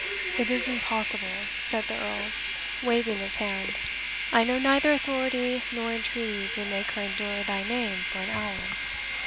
"It is impossible," said the Earl, waving his hand; "I know neither authority nor entreaties would make her endure thy name for an hour.